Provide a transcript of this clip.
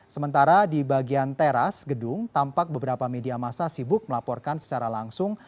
sementara di bagian teras gedung tampak beberapa media masa sibuk melaporkan secara langsung